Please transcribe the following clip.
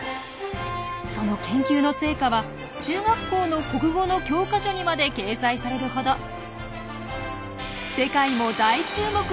その研究の成果は中学校の国語の教科書にまで掲載されるほど。